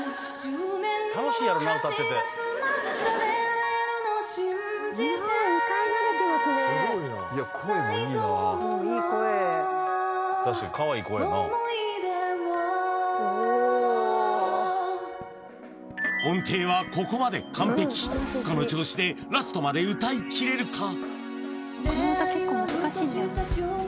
楽しいやろな歌ってていい声確かにかわいい声やな音程はここまで完璧この調子でラストまで歌いきれるか？